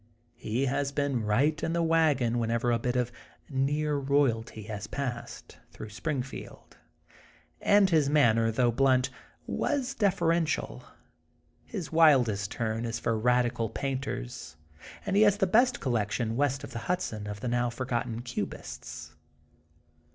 He has been right in the wagon '* whenever a bit of near royalty has passed through Springfield, and his manner though blunt, was deferential* His wildest turn is for radi cal painters, and he has the best collection west of the Hudson of the now forgotten cubists.